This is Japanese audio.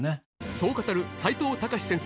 そう語る齋藤孝先生